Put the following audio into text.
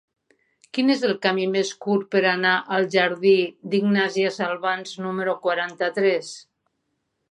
Quin és el camí més curt per anar al jardí d'Ignàsia Salvans número quaranta-tres?